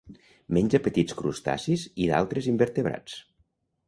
Menja petits crustacis i d'altres invertebrats.